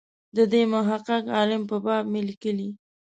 د دې محقق عالم په باب مې لیکلي.